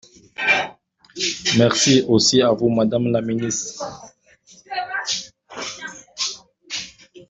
Merci, aussi à vous, madame la ministre.